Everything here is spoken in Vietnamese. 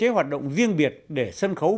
hoạt động riêng biệt để sân khấu